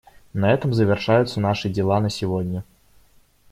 На этом завершаются наши дела на сегодня.